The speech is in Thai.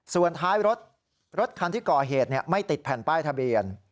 ส่วนท้ายรถรถคันที่ก่อเหตุไม่ติดแผ่นป้ายทะเบียน